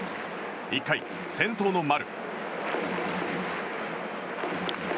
１回、先頭の丸。